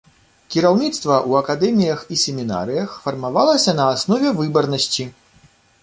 Кіраўніцтва ў акадэміях і семінарыях фармавалася на аснове выбарнасці.